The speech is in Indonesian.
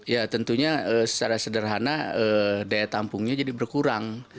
ya tentunya secara sederhana daya tampungnya jadi berkurang